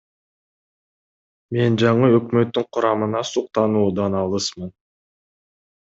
Мен жаңы өкмөттүн курамына суктануудан алысмын.